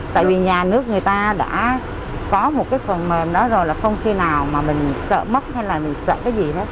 tại vì nhà nước người ta đã có một cái phần mềm đó rồi là không khi nào mà mình sợ mất hay là mình sợ cái gì đó